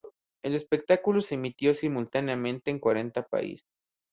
El espectáculo se emitió simultáneamente en cuarenta países.